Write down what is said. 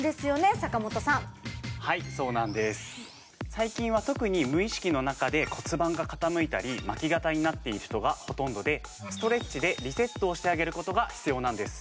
最近は特に骨盤が傾いたり、巻き肩になっている人がほとんどでストレッチでリセットしてあげることが必要なんです。